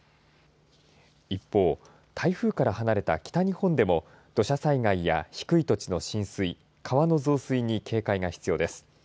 一方、台風から離れた北日本でも土砂災害や低い土地の浸水川の増水に警戒が必要です。